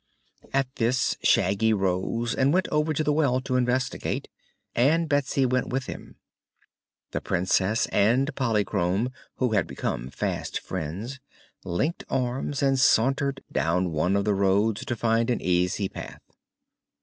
At this, Shaggy rose and went over to the well to investigate, and Betsy went with him. The Princess and Polychrome, who had become fast friends, linked arms and sauntered down one of the roads, to find an easy path.